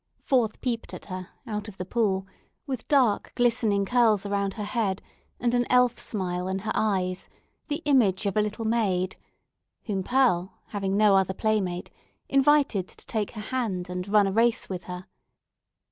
Forth peeped at her, out of the pool, with dark, glistening curls around her head, and an elf smile in her eyes, the image of a little maid whom Pearl, having no other playmate, invited to take her hand and run a race with her.